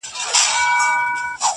اوس له خپل ځان څخه پردى يمه زه.